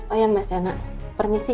oh iya mas yana permisi ya